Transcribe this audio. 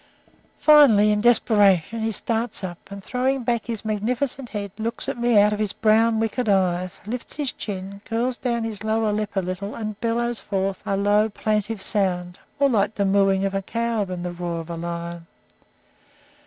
Finally, in desperation, he starts up, and, throwing back his magnificent head, looks at me out of his brown, wicked eyes, lifts his chin, curls down his lower lip a little, and bellows forth a low, plaintive sound, more like the mooing of a cow than the roar of a lion.